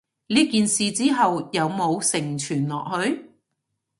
呢件事之後有無承傳落去？